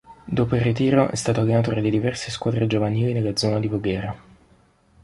Dopo il ritiro è stato allenatore di diverse squadre giovanili nella zona di Voghera.